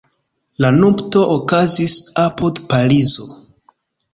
La nupto okazis apud Parizo.